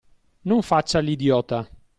Non faccia l'idiota!